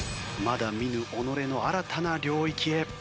まだ見ぬ己の新たな領域へ。